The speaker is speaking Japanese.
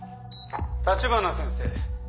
立花先生。